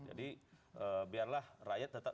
jadi biarlah rakyat tetap